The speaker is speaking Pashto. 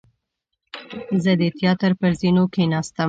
زه د تیاتر پر زینو کېناستم.